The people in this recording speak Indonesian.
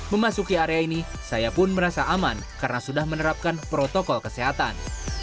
memasuki area ini saya pun merasa aman karena sudah menerapkan protokol kesehatan